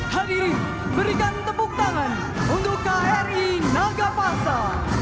hadirin berikan tepuk tangan untuk kri nagapasa